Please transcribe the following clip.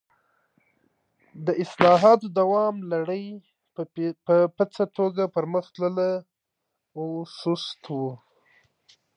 د اصلاحاتو دوام لړۍ په پڅه توګه پر مخ تلله او سست و.